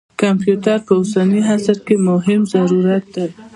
کمپیوټر په اوسني عصر کې یو مهم ضرورت دی.